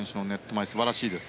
前素晴らしいです。